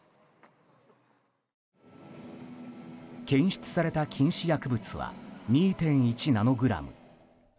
検出された禁止薬物は２．１ナノグラム。